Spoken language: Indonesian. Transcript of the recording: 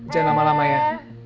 jangan lama lama ya